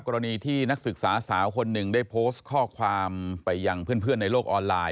กรณีที่นักศึกษาสาวคนหนึ่งได้โพสต์ข้อความไปยังเพื่อนในโลกออนไลน